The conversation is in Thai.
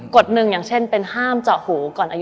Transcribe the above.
ดหนึ่งอย่างเช่นเป็นห้ามเจาะหูก่อนอายุ